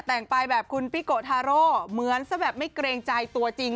แต่งไปแบบคุณปิโกทาโร่เหมือนซะแบบไม่เกรงใจตัวจริง